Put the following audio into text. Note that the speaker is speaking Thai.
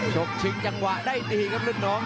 ชกชิงจังหวะได้ดีครับรุ่นน้อง